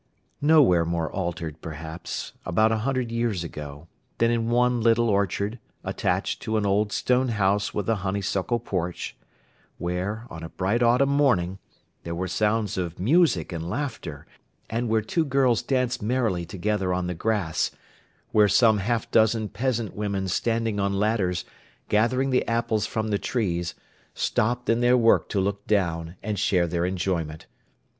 Nowhere more altered, perhaps, about a hundred years ago, than in one little orchard attached to an old stone house with a honeysuckle porch; where, on a bright autumn morning, there were sounds of music and laughter, and where two girls danced merrily together on the grass, while some half dozen peasant women standing on ladders, gathering the apples from the trees, stopped in their work to look down, and share their enjoyment.